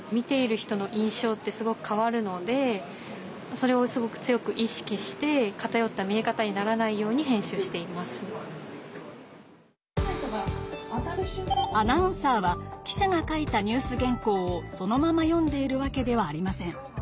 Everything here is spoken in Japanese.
それをすごく強く意しきしてアナウンサーは記者が書いたニュース原こうをそのまま読んでいるわけではありません。